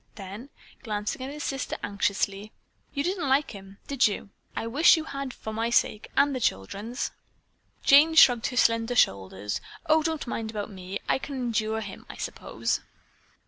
Then glancing at his sister anxiously, "You didn't like him, did you? I wish you had for my sake and the children's." Jane shrugged her slender shoulders. "Oh, don't mind about me. I can endure him, I suppose."